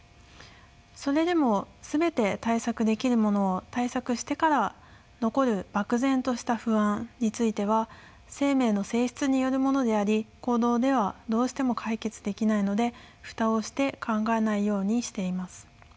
それでも全て対策できるものを対策してから残る漠然とした不安については生命の性質によるものであり行動ではどうしても解決できないので蓋をして考えないようにしています。